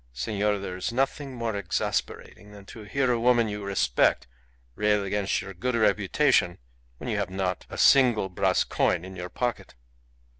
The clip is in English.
Senor, there is nothing more exasperating than to hear a woman you respect rail against your good reputation when you have not a single brass coin in your pocket.